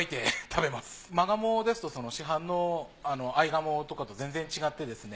マガモですと市販の合ガモとかと全然違ってですね